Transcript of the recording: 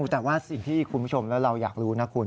แต่ว่าสิ่งที่คุณผู้ชมและเราอยากรู้นะคุณ